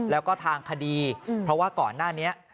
แล้วก็ทางคดีเพราะว่าก่อนหน้านี้